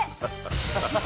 ハハハハ。